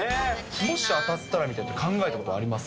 もし当たったらみたいのは考えたことあります？